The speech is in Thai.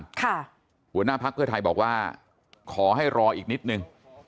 หัวหน้าภักดิ์เพื่อไทยบอกว่าขอให้รออีกนิดนึง